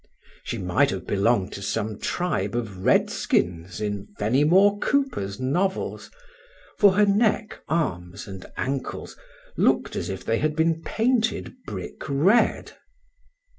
She might have belonged to some tribe of Redskins in Fenimore Cooper's novels; for her neck, arms, and ankles looked as if they had been painted brick red.